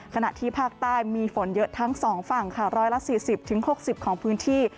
ขณะที่ภาคใต้มีฝนเยอะทั้ง๒ฝั่งค่ะ๑๔๐๖๐ของพื้นที่